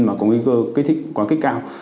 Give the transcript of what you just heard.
mà có nguy cơ quá khích cao